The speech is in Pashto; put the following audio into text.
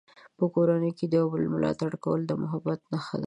په کورنۍ کې د یو بل ملاتړ کول د محبت نښه ده.